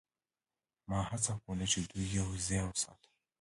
ما هڅه کوله چې دوی یوځای وساتم